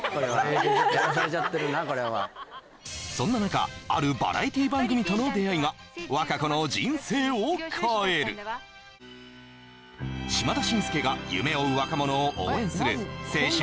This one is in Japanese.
そんな中あるバラエティ番組との出会いが和歌子の人生を変える島田紳助が夢追う若者を応援する「青春！